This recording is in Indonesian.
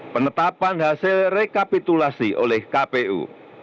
penetapan hasil rekapitulasi oleh kpu